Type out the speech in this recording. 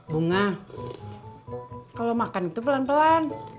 bunga kalau makan itu pelan pelan